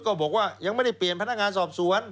บอกว่ายังไม่ได้เปลี่ยนพนักงานสอบสวน